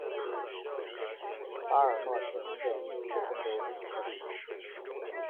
巴尔默出生在密歇根州底特律。